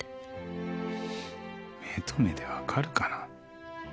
目と目で分かるかな？